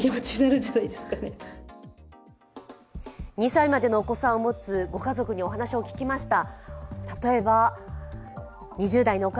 ２歳までのお子さんを持つご家族にお話を聞きました。